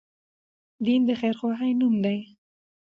دين د خير خواهي نوم دی